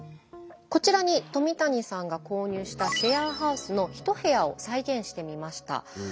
こちらに冨谷さんが購入したシェアハウスの一部屋を再現してみました。